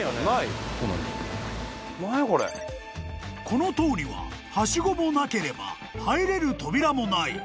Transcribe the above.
［この塔にははしごもなければ入れる扉もない］